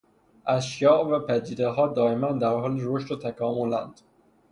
اشیاء و پدیدهها دائماً در حال رشد و تکاملند.